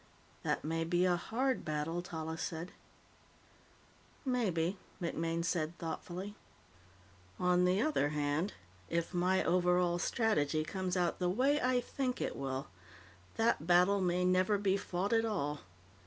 "That may be a hard battle," Tallis said. "Maybe," MacMaine said thoughtfully. "On the other hand, if my overall strategy comes out the way I think it will, that battle may never be fought at all.